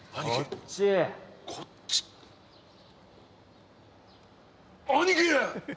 こっちって兄貴！？